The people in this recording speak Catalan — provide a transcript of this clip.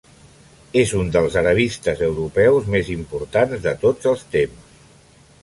És un dels arabistes europeus més importants de tots els temps.